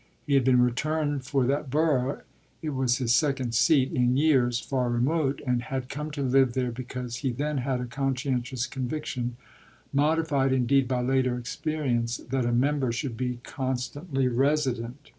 He had been returned for that borough it was his second seat in years far remote, and had come to live there because he then had a conscientious conviction, modified indeed by later experience, that a member should be constantly resident.